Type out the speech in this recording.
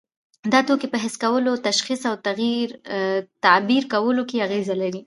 دا توکي په حس کولو، تشخیص او تعبیر کولو کې اغیزه لري.